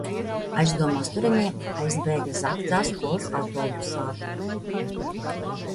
Aizdomās turamie aizbēga zagtā skolas autobusā.